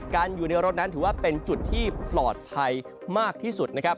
อยู่ในรถนั้นถือว่าเป็นจุดที่ปลอดภัยมากที่สุดนะครับ